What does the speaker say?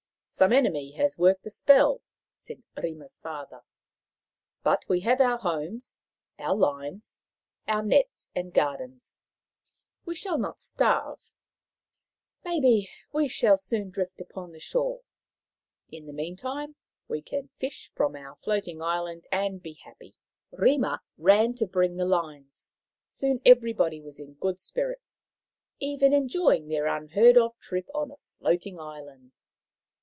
" Some enemy has worked a spell," said Rima's father. " But we have our homes, our lines, our nets and gardens. We shall not starve. Maybe we shall soon drift upon the shore. In the meantime we can fish from our floating island and be happy." Rima ran to bring the lines. Soon everybody was in good spirits, even enjoying their unheard of trip on a floating island.